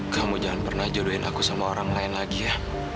kamu jangan pernah jodohin aku sama orang lain lagi ya